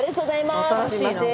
すいません。